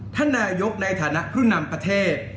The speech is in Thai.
ท่านนายกในฐานะผู้นำประเทศ